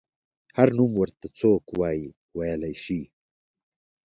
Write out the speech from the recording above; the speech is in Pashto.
هر نوم ورته څوک وايي ویلی شي.